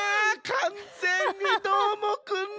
かんぜんにどーもくんの。